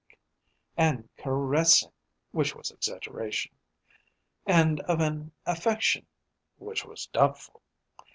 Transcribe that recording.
And caressing (which was exaggeration). And of an affection (which was doubtful).